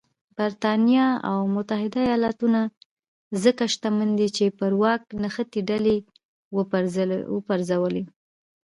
برېټانیا او متحده ایالتونه ځکه شتمن دي چې پر واک نښتې ډلې وپرځولې.